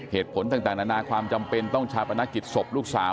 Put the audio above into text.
เหตุผลต่างนานาความจำเป็นต้องชาปนกิจศพลูกสาว